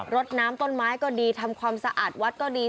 รถน้ำต้นไม้ก็ดีทำความสะอาดวัดก็ดี